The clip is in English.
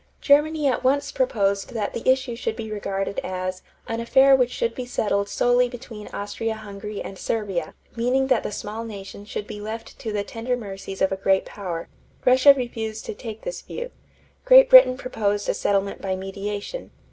Germany at once proposed that the issue should be regarded as "an affair which should be settled solely between Austria Hungary and Serbia"; meaning that the small nation should be left to the tender mercies of a great power. Russia refused to take this view. Great Britain proposed a settlement by mediation.